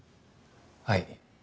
はい。